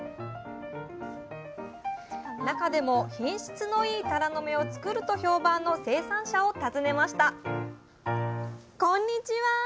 中でも品質のいいタラの芽を作ると評判の生産者を訪ねましたこんにちは。